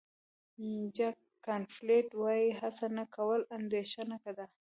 جک کانفیلډ وایي هڅه نه کول اندېښنه ده.